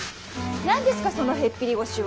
何ですかそのへっぴり腰は。